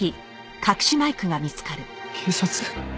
警察？